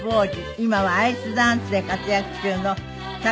今はアイスダンスで活躍中の橋大輔さん。